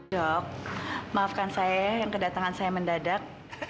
dok maafkan saya yang kedatangan saya mendadak